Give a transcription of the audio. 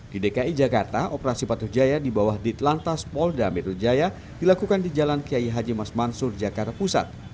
di dki jakarta operasi patuh jaya di bawah ditlantas polda metro jaya dilakukan di jalan kiai haji mas mansur jakarta pusat